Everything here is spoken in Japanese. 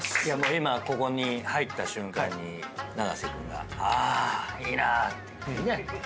今ここに入った瞬間に永瀬君が「あいいなぁ」